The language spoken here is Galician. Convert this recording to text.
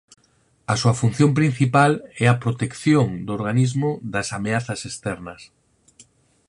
A súa función principal é a protección do organismo das ameazas externas.